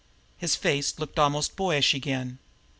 His face looked almost boyish again.